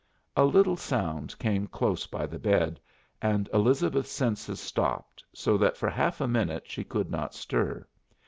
A little sound came close by the bed, and Elizabeth's senses stopped so that for half a minute she could not stir.